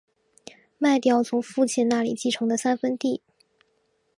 卖掉从父亲那里继承的三分地